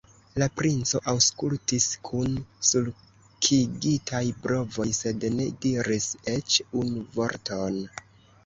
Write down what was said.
La princo aŭskultis kun sulkigitaj brovoj, sed ne diris eĉ unu vorton.